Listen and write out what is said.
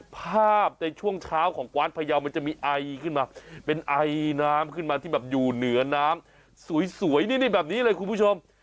ภาพในช่วงเช้าของกวานพยาวมันจะมีไอขึ้นมาเป็นไอน้ำขึ้นมาที่แบบอยู่เหนือน้ำสวยนี่แบบนี้เลยคุณผู้ชม